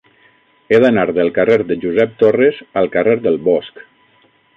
He d'anar del carrer de Josep Torres al carrer del Bosc.